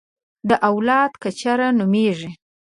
دا اولاد کچر نومېږي.